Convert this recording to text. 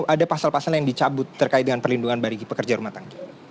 ada pasal pasal yang dicabut terkait dengan perlindungan bagi pekerja rumah tangga